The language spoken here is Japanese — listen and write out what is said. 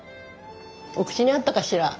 お口に合ったかしら？